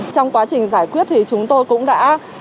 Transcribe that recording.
trong quá trình giải quyết thì chúng tôi cũng đã